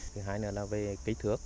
thứ hai nữa là về kích thước